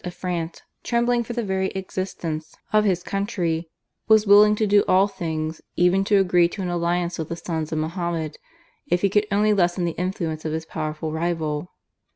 of France, trembling for the very existence of his country, was willing to do all things, even to agree to an alliance with the sons of Mohammed, if he could only lessen the influence of his powerful rival.